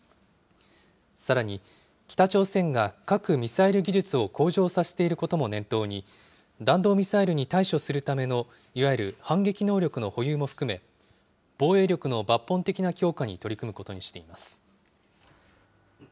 さらに、北朝鮮が核・ミサイル技術を向上させていることも念頭に、弾道ミサイルに対処するための、いわゆる反撃能力の保有も含め、防衛力の抜本的な強化に取り組むことにしています。